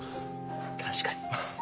確かに。